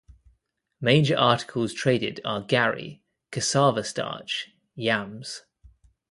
Major articles traded are garri, Cassava Starch, Yams.